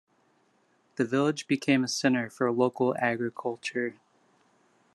The village became a center for local agriculture.